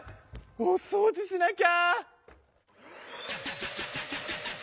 おそうじしなきゃ！